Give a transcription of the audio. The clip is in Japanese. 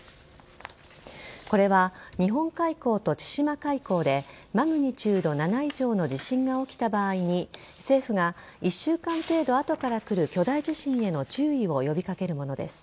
これは日本海溝と千島海溝でマグニチュード７以上の地震が起きた場合に政府が１週間程度後から来る巨大地震への注意を呼び掛けるものです。